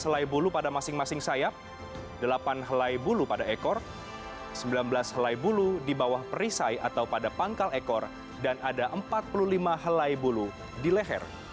selai bulu pada masing masing sayap delapan helai bulu pada ekor sembilan belas helai bulu di bawah perisai atau pada pangkal ekor dan ada empat puluh lima helai bulu di leher